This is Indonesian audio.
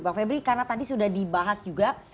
bang febri karena tadi sudah dibahas juga